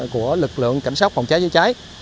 của lực lượng cảnh sát phòng cháy chữa cháy